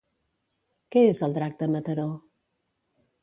Què és el drac de Mataró?